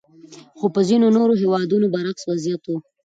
خو په ځینو نورو هېوادونو برعکس وضعیت وو.